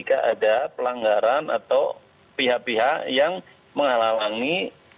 jika ada pelanggaran atau pihak pihak yang menghalangi